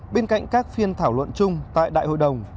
bên cạnh các phiên thảo luận chung tại đại hội đồng